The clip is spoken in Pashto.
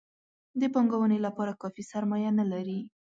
د پانګونې لپاره کافي سرمایه نه لري.